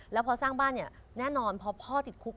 แล้วพอสร้างบ้านเนี่ยแน่นอนพอพ่อติดคุก